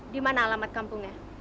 di mana alamat kampungnya